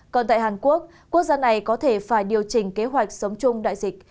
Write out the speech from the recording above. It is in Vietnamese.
còn tại hàn quốc quốc gia này có thể phải điều chỉnh kế hoạch sống chung đại dịch